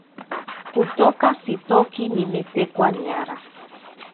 kutoka sitoki nimetekwa nyara